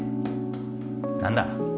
何だ？